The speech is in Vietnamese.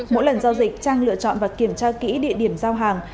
mỗi lần giao dịch trang lựa chọn và kiểm tra kỹ địa điểm giao hàng